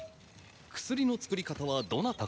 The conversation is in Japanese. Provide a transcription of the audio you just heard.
薬の作り方はどなたから？